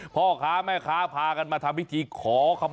พ่อค้าแม่ค้าพากันมาทำพิธีขอคำ